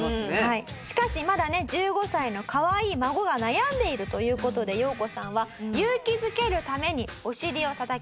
しかしまだね１５歳のかわいい孫が悩んでいるという事でヨウコさんは勇気づけるためにお尻をたたきます。